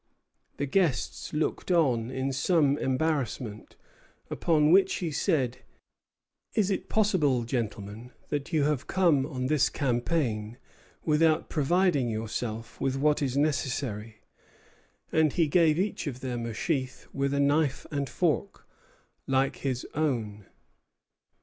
The guests looked on in some embarrassment; upon which he said: "Is it possible, gentlemen, that you have come on this campaign without providing yourselves with what is necessary?" And he gave each of them a sheath, with a knife and fork, like his own.